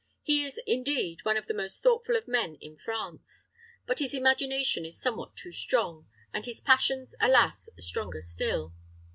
He is, indeed, one of the most thoughtful men in France. But his imagination is somewhat too strong, and his passions, alas, stronger still.